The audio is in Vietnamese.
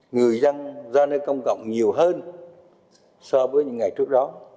người dân ra nơi công cộng nhiều hơn so với những ngày trước đó